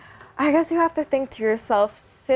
saya rasa kamu harus berpikir diri sendiri